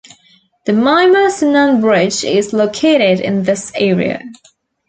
The Mimar Sinan Bridge is located in this area.